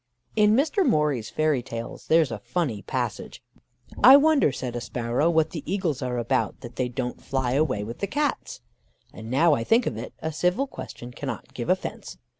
In Mr. Morley's Fairy Tales, there is a funny passage: "'I wonder,' said a sparrow, 'what the eagles are about, that they don't fly away with the Cats? And now I think of it, a civil question cannot give offence.